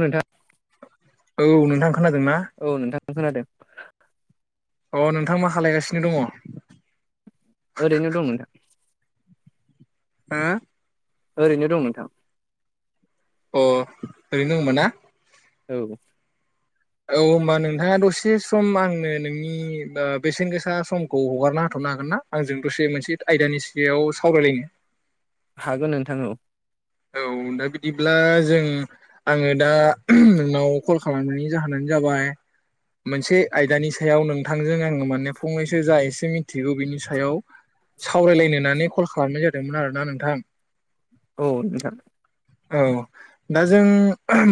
नोथां औ नोंथां। खोनादों ना? खोनादों अ नोंथां मा खालायगासिनो दङ? ओरैनो दं नोंथां । हो? ओरैनो दं नोंथां। अ ओरैनो दं होनबाना? औ। औ होमबा नोंथाङा दसे सम आंनो नोंनि बेसेन गोसा समखौ हगारना हाथ'नो हागोन ना आंजों दसे मोनसे आयदानि सायाव सावरायलायनो? हागोन नोंथां औ। औ दा बिदिब्ला जों आङो दा नोंनाव कल खालामनायनि जाहोनानो जाबाय मोनसे आयदानि सायाव नोंथांजों आङो माने फंनैसो जा एसे मिथिगौ बिनि सायाव सावरायलायनो होनानै कल खालामनाय जादोंमोन आरोना नोंथां । औ नोंथां। औ दा जों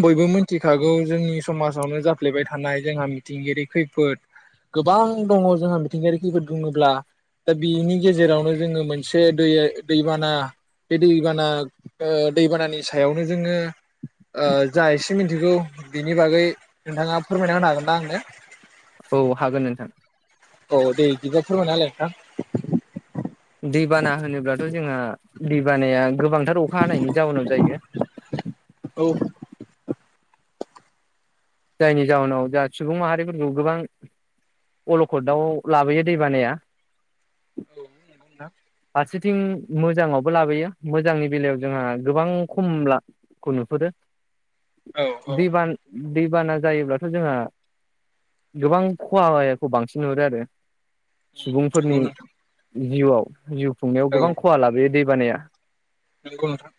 बयबो मिथिखागौ जोंनि समाजावनो जाफ्लेबाय थानाय जोंहा मिथिंगायारि खैफोद गोबां दङ जोंहा मिथिंगायारि खैफोद बुङोब्ला दा बिनि गेजेरावनो जोङो मोनसे दै दैबाना बे दैबाना ओ दैबानानि सायावनो जोङो जा एसे मिथिगौ बिनि बागै नोंथाङा फोरमायना होनो हागोना आंनो औ हागोन नोंथां औ दे दिबा फोरमायना होलाय नोंथां। दैबाना होनोब्लाथ' जोंहा दैबानाया गोबांथार अखा हानायनि जाउनाव जायो । [unintelligible] औ जायनि जाहोनाव दा सुबुं माहारिफोरखौ गोबां अलखदआव लाबोयो दै बानाया औ नंगौ नोथां। फारसेथिं मोजाङावबो लाबोयो मोजांनि बेलायाव जोंहा गोबां खमलाखौ नुहुरो औ औ बिबान दैबाना जायोब्लाथ' जोंहा गोबां खहाखौ बांसिन नहुरो आरो नंगौ सुबुंफोरनि नोंथां जिउआव जिउ खुंनायाव औ गोबां उम खहा लाबोयो दै बानाया नंगौ नोंथां।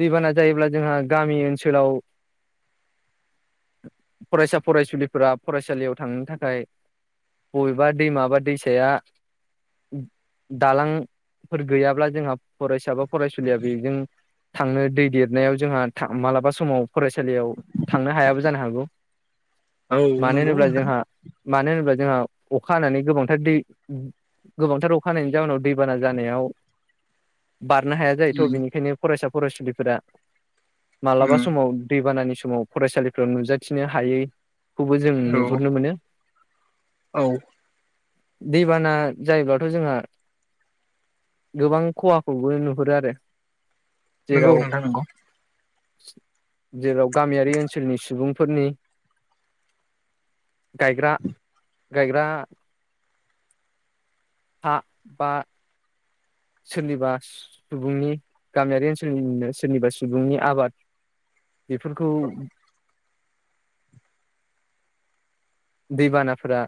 दैबाना जायोब्ला जोंहा गामि ओनसोलाव फरायसा फरायसुलिफोरा फरायसालियाव थांनो थाखाय बबेबा दैमा बा दैसाया दालांफोर गैयाब्ला जोंहा फरायसा बा फरायसुलिया बेजों थांनो दै देरनायाव जोंहा मालाबा समाव फरायसालियाव थांनो हायाबो जानो हागौ। औ मानो नंगौ होनोब्ला नोंथां। जोंहा मानो होनोब्ला जोंहा अखा हानानै गोबांथार दै गोबांथार अखानायनि जाउनाव दैबाना जानायाव बारनो हाया जायोथ' उम बेनिखायनो फरायसा फरायसुलिफोरा मालाबा उम समाव दै बानानि समाव फरायसालिफ्राव नुजाथिनो हायै खौबो जों नुहुरनो मोनो। औ दैबाना जायोबाथ' जोंहा गोबां खहाखौबो नुहुरो आरो। नंगौ जेराव नोंथां नंगौ। जेराव गामियारि ओनसोलनि सुबुंफोरनि गायग्रा गायग्रा हा बा सोरनिबा सुबुंनि गामियारि ओनसोलनिनो सोरनिबा सुबुंनि आबाद बेफोरखौ दैबानाफोरा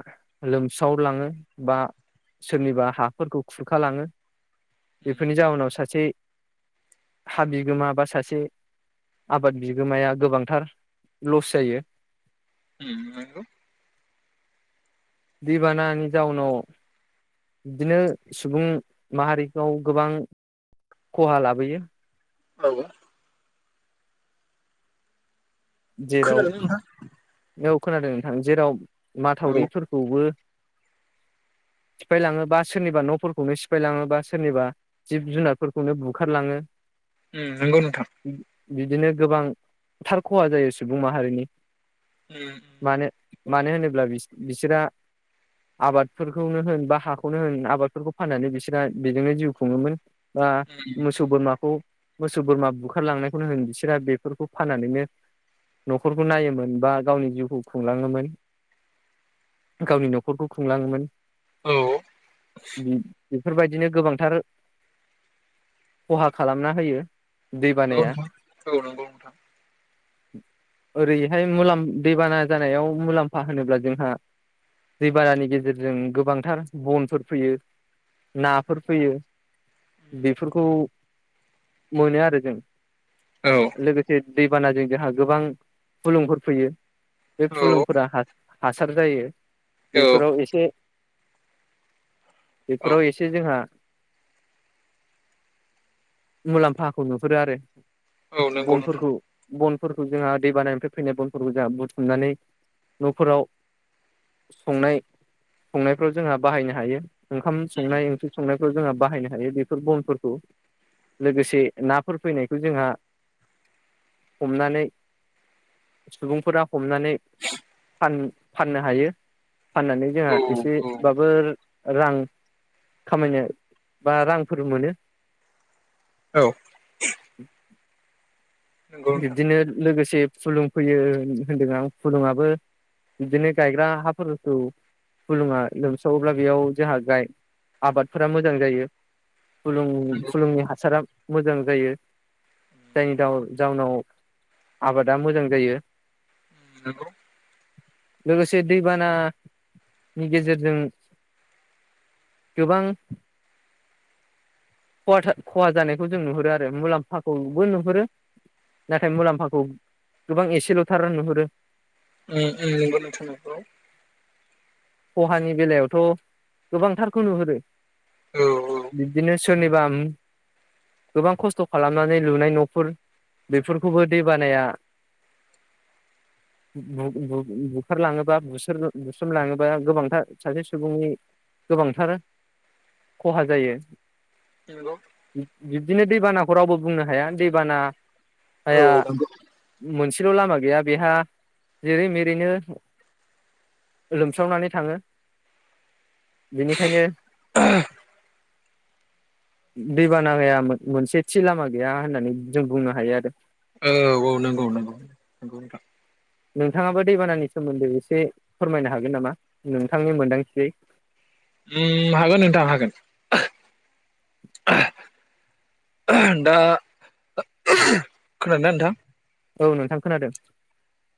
लोमस्रावलाङो बा सोरनिबा हाफोरखौ खुरखालाङो। बेफोरनि जाहोनाव सासे हा बिगोमा बा सासे आबाद बिगोमाया गोबांथार लस जायो। हुम नंगौ। दिबानानि जाउनाव बिदिनो सुबुं माहारिखौ गोबां खहा लाबोयो। औ जेराव खोनादों नोंहा? औ खोनादों नोंथां जेराव माथावरिफोरखौबो सिफायलाङो बा सोरनिबा न'फोरखौनो सिफायलाङो बा सोरनिबा जिब जुनारफोरखौनो बुखारलाङो। उम नोंगौ नोंथां बिदिनो गोबांथार खहा जायो सुबुं माहारिनि उम उम मानो मानो होनोब्ला बिस बिसोरा आबादफोरखौनो होन बा हाखौनो होन आबादफोरखौ फाननानै बिसोरा बेजोंनो जिउ खुङोमोन बा उम मोसौ बोरमाखौ मोसौ बोरमा बुखारलांनायखौनो होन बिसोरा बेफोरखौ फाननानैनो न'खरखौ नायोमोन बा गावनि जिउखौ खुंलाङोमोन गावनि न'खरखौ खुंलाङोमोन औ बे बेफोरबायदिनो गोबांथार खहा खालामना होयो नोंगौ दैबानाया नोंथां औ नंगौ नोंथां ओरैहाय मुलाम दैबाना जानायाव मुलाम्फा होनोब्ला जोंहा दैबानानि गेजेरजों गोबांथार बनफोर फैयो नाफोर फैयो बेफोरखौ मोनो आरो जों औ लोगोसे दै बानाजों जोंहा गोबां फुलुंफोर फैयो बे औ फुलुंफोरा हास हासार जायो औ बेफोराव एसे औ बेफोराव एसे जोंहा मुलाम्फाखौ नुहुरो आरो औ नंगौ नोंथां बनफोरखौ बनफोरखौ जोंहा दै बानायानिफ्राय फैनाय बनफोरखौ जोंहा बुथुमनानै न'फोराव संनाय संनायफ्राव जोंहा बाहायनो हायो ओंखाम संनाय ओंख्रि संनाय फोराव जोंहा बाहायनो हायो बेफोर बनफोरखौ लोगोसे नाफोर फैनायखौ जोंहा हमनानै सुबुंफोरा हमनानै फाननो हायो फाननानै जोंहा औ एसेबाबो रां खामायनो बा रांफोर मोनो औ नंगौ नोंथां बिबदिनो लोगोसे से फुलुं फैयो होनदों आं फुलुङाबो बिदिनो गायग्रा हाफोरखौ फुलुङा लोमसावोब्ला बेयाव जोंहा गाय आबादफोरा मोजां जायो फुुंलुं नंगौ फुलुंनि हासारा मोजां जायो जायनि जाउन जाउनाव आबादा मोजां जायो। नंगौ लोगोसे दैबानानि गेजेरजों गोबां खहा जानायखौ जों नुहुरो आरो मुलाम्फाखौबो नुहुरो नाथाय मुलाम्फाखौ गोबां एसेल'थार नुहुरो उम उम नोंथां नंगौ खहानि बेलायावथ गोबांथारखौ नुहुरो औ औ बिदिनो। सोरनिबा गोबां खस्थ खालामनानै लुनाय नफोर बेफोरखौबो दै बानाया बुखारलाङोबा बु बुस्रोमलाङोब। बा गोबांथार सासे सुबुंनि गोबांथार खहा जायो। नंगौ बिबदिनो दैबानाखौ रावबो बुंनो हाया दैबाना। औ आया नंगौ मोनसे लामा गैया बेहा जेरै मेरैनो। सोबस्रावनानै थाङो बेनिखायनो दैबानाङा मोनसे थि लामा गैया होननानै जों बुंनो हायो आरो। औ-औ नंगौ नंगौगौ नोंथां। नोंथाङाबो दैबानानि सोमोन्दै ।एसे फोरमायनो हागोन नामा नोंथांनि मोनदांथियै ओम हागोन नोंथां हागोन दा खोनादों दा नोंथां। औ नोंथां खोनादों।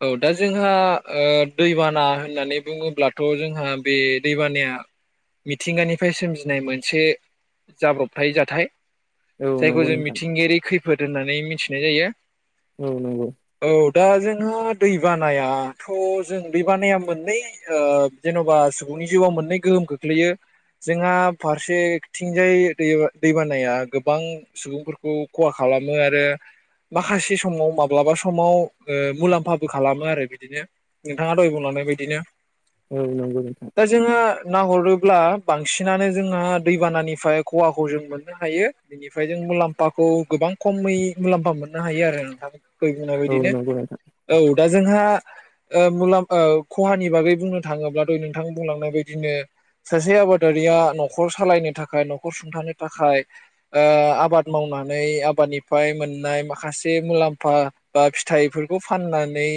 औ दा जोंहा ओ दैबाना होननानै बुङोब्लाथ जोंहा बे दैबानाया मिथिंगानिफ्राय सोमजिनाय मोनसे जाब्रबथाय जाथाय। औ जायखौ नंगौ जों नोंथां मिथिंगायारि खैफोद होननानै मि मिन्थिनाय जायो। औ नंगौ। दा जों जो दैबानायाथ जों दैबानाया ओ मोननै जेनबा सुबुंनि जिउआव मोननै गोहोम खोख्लैयो जोंहा फारसेथिंजाय दै दैबानाया गोबां सुबुंफोरखौ खहा खालामो आरो माखासे समाव माब्लाबा समाव ओ। मुलाम्फाबो खालामो आरो बिदिनो नोंथाङा दय बुंलांनाय बायदिनो। औ नांगौ नोंथां। दा जोंहा नाहरोब्ला बांसिनानो जोंहा दैबानानिफ्राय खहाखौ जों मोननो हायो बेनिफ्राय जों मुलाम्फाखौ गोबां खमै मुलाम्फा मोननो हायो आरो नोंथां। दहाय औ बुंनायबादिनो नंगौ नोंथां दा जोंहा मुलाम खहानि बागै बुंनो थाङोब्ला द नोंथां बुंलांनाय बायदिनो सासे आबादारिया नखर सालायनो थाखाय नखर सुंथानो थाखाय ओ आबाद मावनानै आबादनिफ्राय मोननाय माखासे मुलाम्फा बा फिथाइफोर। बेखौ फाननानै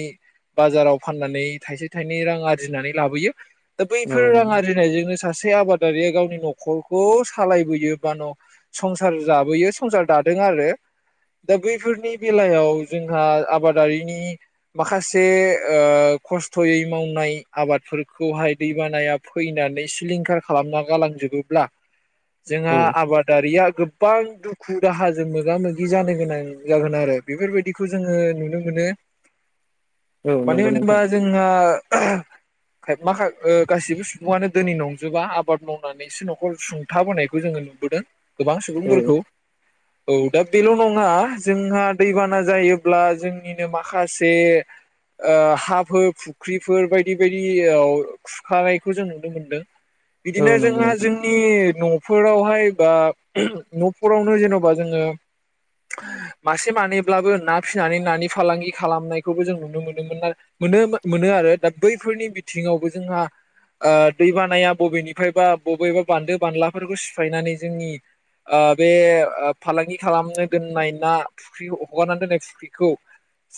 बाजाराव फाननानै थाइसे थाइनै रां आरजिनानै लाबोयो। दा औ बैफोर रां नंगौ आरिनायजोंनो। सासे आबादारिया गावनि नखरखौ सालायबोयो बा न संसार जाबोयो संसार दादों आरो दा बैफोरनि बेलायाव जोंहा आबाद। आबादारिनि माखासे ओ खस्थयै मावनाय आबादफोरखौहाय दैबानाया फैनानै सिलिंखार खालामना गालांजोबोब्ला। जोंहा औ आबादारिया। गोबां दुखु दाहाजों मोगा मोगि जानो गोनां जागोन आरो बेफोरबायदिखौ जोङो नुनो। माने औ मानो नंगौ होनोबा नोंथां जोंहा। माखा गासिबो सुबुङानो दोै नंजोबा आबाद मावनानैसो नखर सुंथाबोनायखौ जोङो नुबोदों। गोबां औ सुबुंफोरखौ। औ दा बेल नङा जोंहा दैबाना जायोब्ला जों। जोंनिनो माखासे हाफोर फुख्रिफोर बायदि बायदि खुरखानायखौ जों नुनो मोनदों। औ बिदिनो नंगौ जोंहा नोंथां जोंनि न फोरावहाय बा न'फोरावनो जेन'बा जोङो मासे मानैब्लाबो ना फिसिनानै न फालांगि खालामनायखौबो जों नुनो मोनोमोन मोन मोनो आरो, दा बैफोरनि बिथिङावबो जोंहा दैबानाया बबेनिफ्रायबा बबेबा बान्दो बानलाफोरखौ सिफायनानै जोंनि बे फालांगि खालामनो दोननाय ना फुख्रि हगारना दोननाय फुख्रिखौ।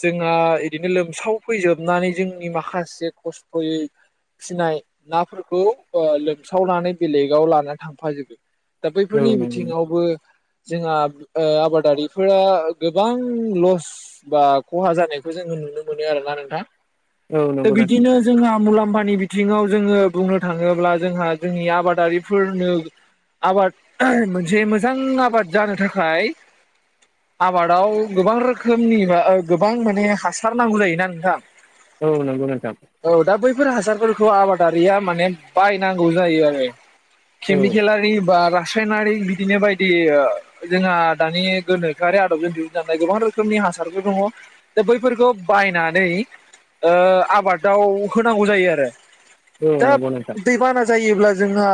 जोंहा बिदिैनो लोमसावफैजोबनानै जोंनि माखासे खस्थ'यै फिनाय नाफोरखौ लोमसावनानै बेलेगाव लानानै थांफाजोबो। दा औ बैफोरनि नंगौ बिथिङावबो जोंहा आबादारिफोरा गोबां लस बा खहा जानायखौ जोङो नुनो मोनो आरोना नोंथां। औ दा नंगौ नोंथां बिदिनो जोंहा मुलाम्फानि बिथिङाव जोङो बुंनो थाङोब्ला जोंहा जोंनि आबादारिफोरनो आबाद मोनसे मोजां आबाद जानो थाखाय आबादाव गोबां रोखोमनि। गोबां माने हासार नांगौ जायोना नोंथां? औ नंगौ नोंथां औ दा बैफोर हासार बेफोरखौ आबादारिया माने बायनांगौ जायो आरो। औ खेमि खलाारि बार सानारि बिदिनो बायदि जोंहा दानि गोनोखोआरि आदबजों दिहुनजानाय गोबां रोखोमनि हासारफोर दङ। दा बैफोरखौ बायनानै आबादाव होनांगौ जायो आरो। औ दा नंगौ नोंथां दैबाना जायोब्ला जोंहा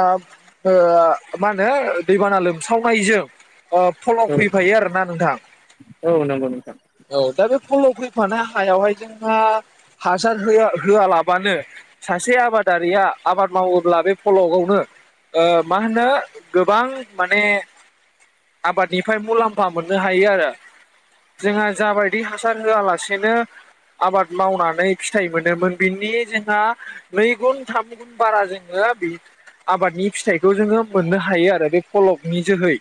मा होनो दैबाना लोमसावनायजों। फलक औ फैफायो आरोना नोंथां औ नंगौ नोंथां औ। दा बे फलक फैफानो हायावहाय जोंहा हासार होआ होआलाबानो सासे आबादारिया आबाद मावोब्ला बे फलक खौनो मा होनो गोबां माने आबादनिफ्राय मुलाम्फा मोननो हायो आरो जोंहा जाबाय बिदै हासार होआलासेनो आबाद मावनानै फिथाइ मोनोमोन बिनि जोंहा नै गुन थाम गुन बारा जोङो बे आबादनि फिथाइखौ जोङो मोननो हायो आरो, बे फलकनि जोहै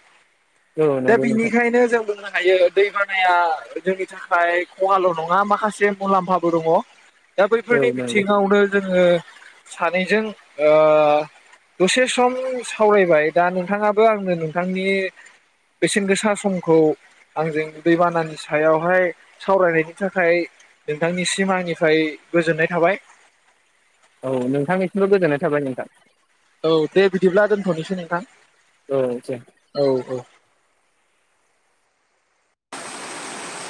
औ दा नंगौ नोंथां बिनिखायनो जों बुं थायो दै बानाया जोंनि थाखाय खवल' नङा माखासे मुलाम्फाबो दङ। दा औ बैफोरनि नंगौ बिथिङावनो जोङो। सानैजों ओ दसे सम सावरायबाय दा नोंथाङाबो आंनो नोंथांनि बेसेन गोसा समखौ आंजों दैबानानि सायाव। बेहाय सावरायनायनि थाखाय नोंथांनिसिम आंनिफ्राय गोजोननाय थाबाय। औ नोंथांनिसिमबो गोजोननाय थाबाय नोंथां। औ दे बिदिब्ला दोनथ'नोसै नोंथां। औ दे औ औ